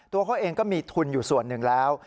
ตัวเขาเองก็มีทุนอยู่ส่วนหนึ่งแล้ว